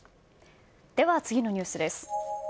では次のニュースです。